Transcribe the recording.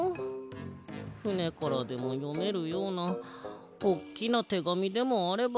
ふねからでもよめるようなおっきなてがみでもあればな。